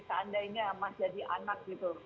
seandainya mas jadi anak gitu